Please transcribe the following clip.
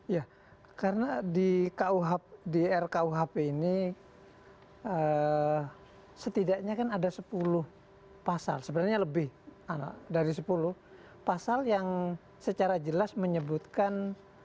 ya karena di rkuhp ini setidaknya kan ada sepuluh pasal sebenarnya lebih dari sepuluh pasal yang secara jelas menyebutkan